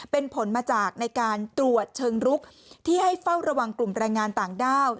เป็นผลมาจากในการตรวจเชิงรุกที่ให้เฝ้าระวังกลุ่มแรงงานต่างด้าว